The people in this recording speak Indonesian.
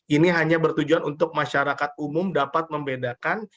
ini hanya bertujuan untuk masyarakat umum dapat membedakan